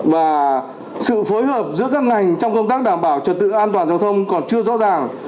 và sự phối hợp giữa các ngành trong công tác đảm bảo trật tự an toàn giao thông còn chưa rõ ràng